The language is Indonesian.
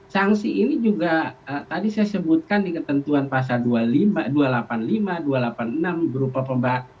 sangsi ini juga tadi saya sebutkan di ketentuan pasal dua ratus delapan puluh lima dua ratus delapan puluh enam berupa pemba